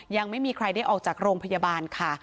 ยังไม่มีใครได้ออกจากโรงพยาบาลค่ะ